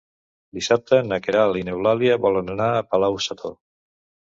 Dissabte na Queralt i n'Eulàlia volen anar a Palau-sator.